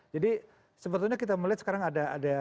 jadi sebetulnya kita melihat sekarang ada